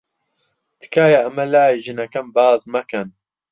تکایە ئەمە لای ژنەکەم باس مەکەن.